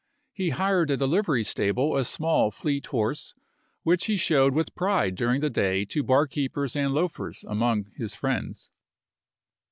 He hired at a livery stable a small, fleet horse, which he showed with pride during the day to barkeepers and loafers among his friends.